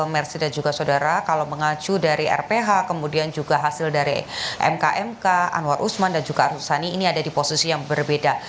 mersi dan juga saudara kalau mengacu dari rph kemudian juga hasil dari mkmk anwar usman dan juga arsul sani ini ada di posisi yang berbeda